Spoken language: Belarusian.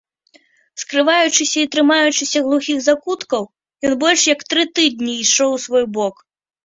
Скрываючыся і трымаючыся глухіх закуткаў, ён больш як тры тыдні ішоў у свой бок.